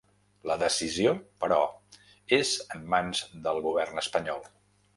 La decisió, però, és en mans del govern espanyol.